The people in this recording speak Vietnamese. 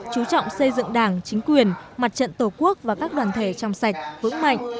chú trọng xây dựng đảng chính quyền mặt trận tổ quốc và các đoàn thể trong sạch vững mạnh